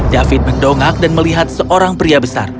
david mendongak dan melihat seorang pria besar